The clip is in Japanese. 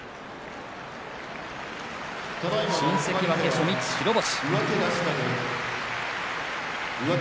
新関脇、初日白星。